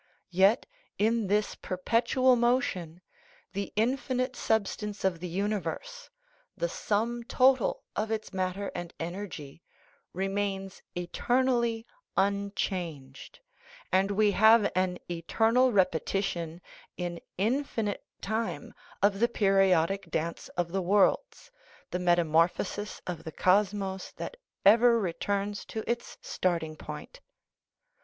Yet in this " per petual motion " the infinite substance of the universe, the sum total of its matter and energy, remains eter nally unchanged, and we have an eternal repetition in infinite time of the periodic dance of the worlds, the metamorphosis of the cosmos that ever returns to its starting point.